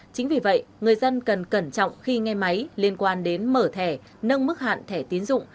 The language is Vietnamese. chính vì vậy người dân cần cẩn trọng khi nghe máy liên quan đến mở thẻ nâng mức hạn thẻ tiến dụng